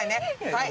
はい。